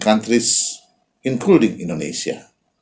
antara negara pasangan asia